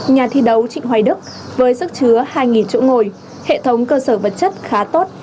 nhà thi đấu trịnh hoài đức với sức chứa hai chỗ ngồi hệ thống cơ sở vật chất khá tốt